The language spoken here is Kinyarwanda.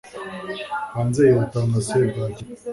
Hanze yihuta nka serwakira